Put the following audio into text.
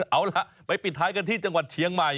เอาล่ะไปปิดท้ายกันที่จังหวัดเชียงใหม่